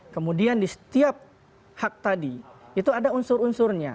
kemudian di setiap hak tadi itu ada unsur unsurnya